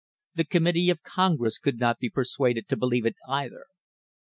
The committee of Congress could not be persuaded to believe it either.